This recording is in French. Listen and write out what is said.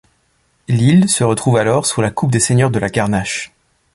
L'île se retrouve alors sous la coupe des seigneurs de La Garnache.